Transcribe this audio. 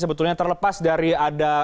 sebetulnya terlepas dari ada